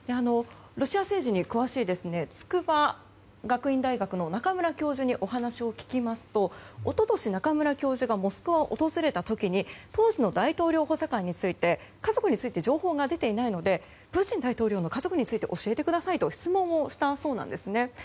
ロシア政治に詳しい筑波学院大学の中村教授にお話を聞きますと一昨年、中村教授がモスクワを訪れた時に当時の大統領補佐官に家族について情報が出ていないのでプーチン大統領の家族について教えてくださいと質問したそうなんですね。